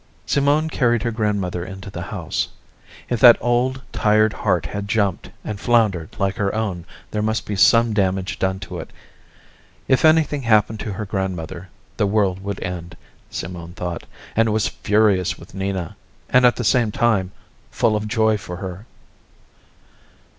Simone carried her grandmother into the house. If that old, tired heart had jumped and floundered like her own, there must be some damage done to it. If anything happened to her grandmother, the world would end, Simone thought, and was furious with Nina, and at the same time, full of joy for her.